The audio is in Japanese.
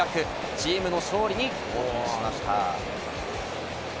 チームの勝利に貢献しました。